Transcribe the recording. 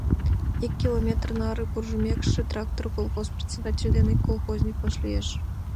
Ик километр наре куржмекше, «Трактор» колхоз председатель ден ик колхозник вашлиеш.